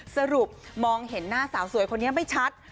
สรุปมองเห็นหน้าสาวสวยคนนี้ไม่ชัด